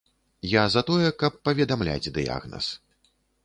Я за тое, каб паведамляць дыягназ.